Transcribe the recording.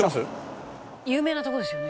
「有名なとこですよね」